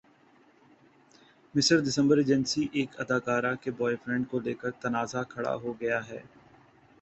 مصر دسمبرایجنسی ایک اداکارہ کے بوائے فرینڈ کو لیکر تنازعہ کھڑا ہو گیا ہے